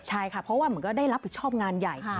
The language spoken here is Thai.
ใช่ค่ะเพราะว่าเหมือนก็ได้รับผิดชอบงานใหญ่